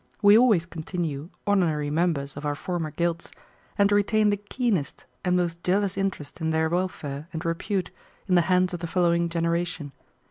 We always continue honorary members of our former guilds, and retain the keenest and most jealous interest in their welfare and repute in the hands of the following generation.